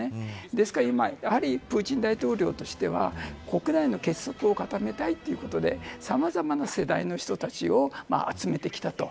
ですから今、やはりプーチン大統領としては国内の結束を固めたいということでさまざまな世代の人たちを集めてきたと。